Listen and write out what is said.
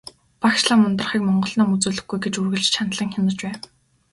Багш лам Ундрахыг монгол ном үзүүлэхгүй гэж үргэлж чандлан хянаж байв.